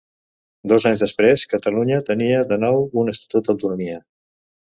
Dos anys després, Catalunya tenia de nou un Estatut d'Autonomia.